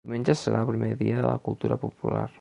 Diumenge serà el dia de la cultura popular.